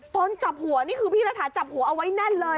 ตอนจับหัวนี่คือพี่รัฐาจับหัวเอาไว้แน่นเลย